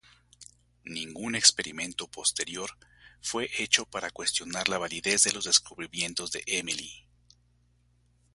Ningún experimento posterior fue hecho para cuestionar la validez de los descubrimientos de Emily.